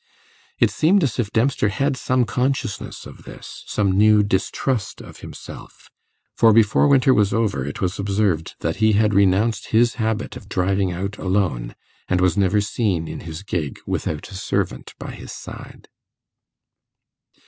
It seemed as if Dempster had some consciousness of this some new distrust of himself; for, before winter was over, it was observed that he had renounced his habit of driving out alone, and was never seen in his gig without a servant by his side.